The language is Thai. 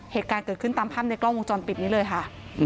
เหตุการณ์เกิดขึ้นตามภาพในกล้องวงจรปิดนี้เลยค่ะ